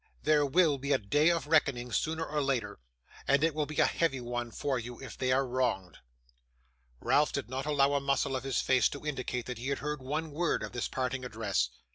There will be a day of reckoning sooner or later, and it will be a heavy one for you if they are wronged.' Ralph did not allow a muscle of his face to indicate that he heard one word of this parting address.